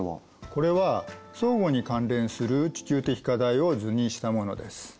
これは相互に関連する地球的課題を図にしたものです。